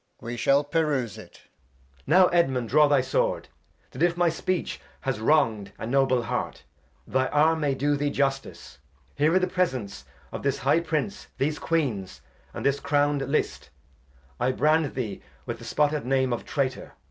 Alb. We shall peruse it. Edg. Now Edmund, draw thy Sword, That if my Speech has wrong'd a noble Heart, Thy Arm may doe thee Justice : Here i'th' Presence Of this high Prince, these Queens, and this crown'd List, I brand thee with the spotted Name of Traytour.